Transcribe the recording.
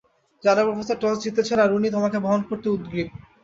জানো, professor toss জিতেছেন আর উনি তোমাকে বহন করতে উদগ্রীব।